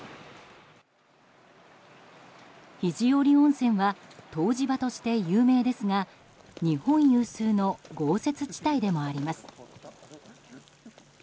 肘折温泉は湯治場として有名ですが日本有数の豪雪地帯でもあります。